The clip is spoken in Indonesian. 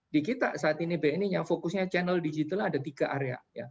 di kita saat ini bni nya fokusnya channel digital ada tiga area